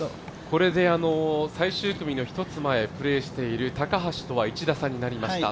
これで最終組の一つ前プレーをしている高橋とは１打差となりました。